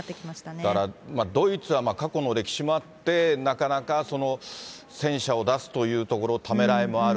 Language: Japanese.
だからドイツは、過去の歴史もあって、なかなか戦車を出すというところ、ためらいもある。